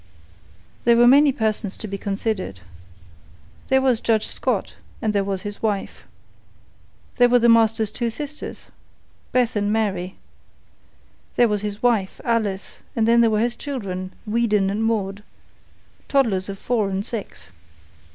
There were many persons to be considered. There was Judge Scott, and there was his wife. There were the master's two sisters, Beth and Mary. There was his wife, Alice, and then there were his children, Weedon and Maud, toddlers of four and six.